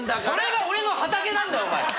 それが俺の畑なんだお前。